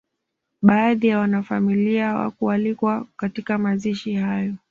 Baadhi ya wanafamilia hawakualikwa katika mazishi hayo